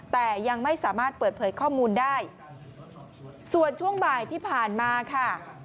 แต่ยังไม่สามารถเปิดเผยข้อมูลได้ส่วนช่วงบ่ายที่ผ่านมาค่ะ